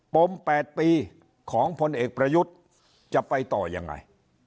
ม๘ปีของพลเอกประยุทธ์จะไปต่อยังไง